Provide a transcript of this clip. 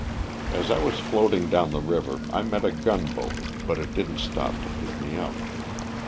As I was floating down the river I met a gunboat, but it didn't stop to pick me up.